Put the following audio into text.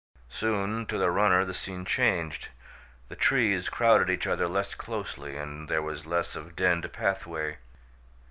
Soon to the runner the scene changed. The trees crowded each other less closely and there was less of denned pathway.